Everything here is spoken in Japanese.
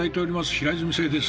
平泉成です。